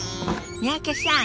三宅さん